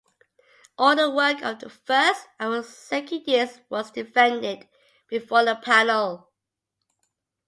All the work of the first and second years was defended before a panel.